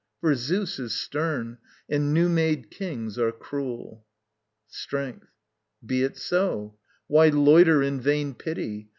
For Zeus is stern And new made kings are cruel. Strength. Be it so. Why loiter in vain pity?